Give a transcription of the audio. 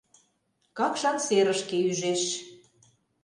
Какшан серышке ӱжеш.